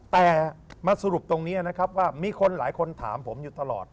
แต่มาสรุปตรงนี้นะครับว่ามีคนหลายคนถามผมอยู่ตลอด